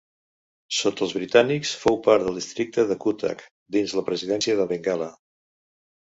Sota els britànics fou part del districte de Cuttack dins la presidència de Bengala.